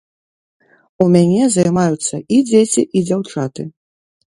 У мяне займаюцца і дзеці, і дзяўчаты.